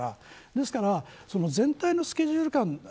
ですから全体のスケジュール感